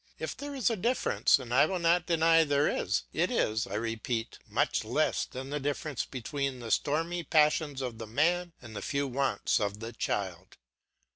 If there is a difference, and I do not deny that there is, it is, I repeat, much less than the difference between the stormy passions of the man and the few wants of the child.